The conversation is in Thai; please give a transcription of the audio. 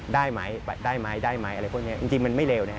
ได้ไหมอะไรพวกนี้จริงมันไม่เร็ว